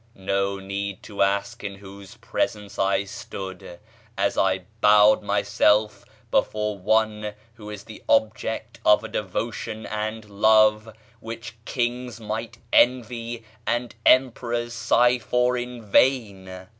No need to ask in whose presence I stood, as I bowed myself before one who is the object of a devotion and love which kings might envy and emperors sigh for in vain!